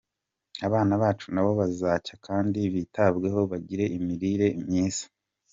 Abana bacu nabo bazacya kandi bitabweho bagire imirire myiza.